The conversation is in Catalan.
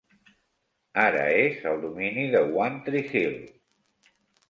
Ara és el domini de One Tree Hill.